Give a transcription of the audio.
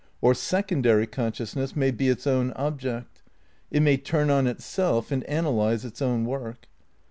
Or secondary consciousness may be its own object. It may turn on itself and analyse its own work.